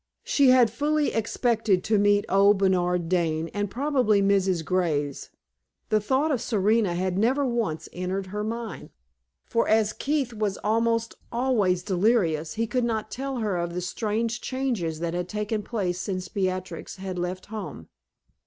She had fully expected to meet old Bernard Dane, and probably Mrs. Graves. The thought of Serena had never once entered her mind; for as Keith was almost always delirious, he could not tell her of the strange changes that had taken place since Beatrix had left home.